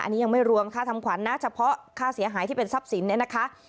อันนี้ยังไม่รวมค่าทำขวัญนะเฉพาะค่าเสียหายที่เป็นทรัพย์สินเนี่ยนะคะ